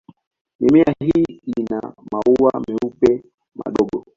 Mimea hii ina maua meupe madogo.